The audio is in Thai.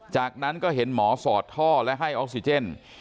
จากนั้นก็เห็นหมอสอดท่อและให้ออกซิเจน